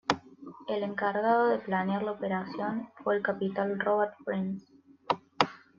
El encargado de planear la operación fue el capitán Robert Prince.